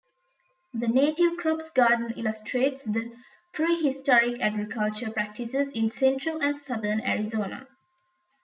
The Native Crops Garden illustrates the prehistoric agricultural practices in Central and Southern Arizona.